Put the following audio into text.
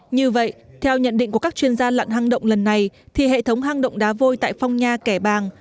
như vậy theo nhận định của các chuyên gia lặn hang động lần này thì hệ thống hang động đá vôi tại phong nha kẻ bàng